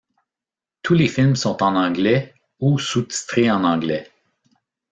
Tous les films sont en anglais ou sous-titrés en anglais.